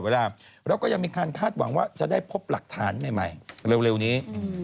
แล้วก็ยังมีการคาดหวังว่าจะได้พบหลักฐานใหม่เร็วนี้